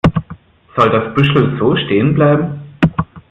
Soll das Büschel so stehen bleiben?